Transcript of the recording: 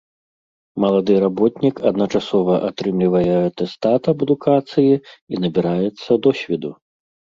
Малады работнік адначасова атрымлівае атэстат аб адукацыі і набіраецца досведу.